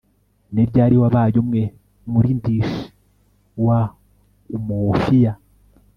ni ryari wabaye umwe muri ndichie wa umuofia